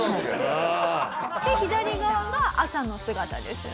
で左側が朝の姿ですよね？